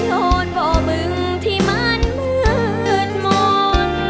ร้องได้ให้ร้าง